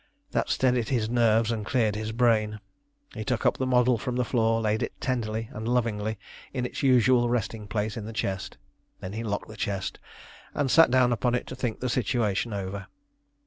That steadied his nerves and cleared his brain. He took up the model from the floor, laid it tenderly and lovingly in its usual resting place in the chest. Then he locked the chest and sat down upon it to think the situation over.